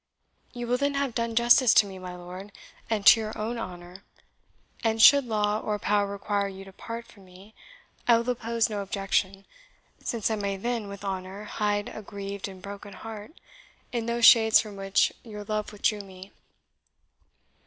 You will then have done justice to me, my lord, and to your own honour and should law or power require you to part from me, I will oppose no objection, since I may then with honour hide a grieved and broken heart in those shades from which your love withdrew me.